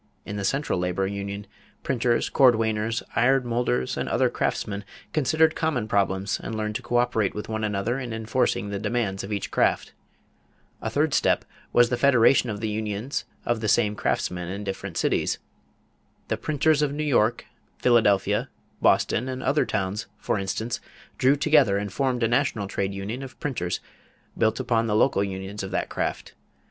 In the central labor union, printers, cordwainers, iron molders, and other craftsmen considered common problems and learned to coöperate with one another in enforcing the demands of each craft. A third step was the federation of the unions of the same craftsmen in different cities. The printers of New York, Philadelphia, Boston, and other towns, for instance, drew together and formed a national trade union of printers built upon the local unions of that craft.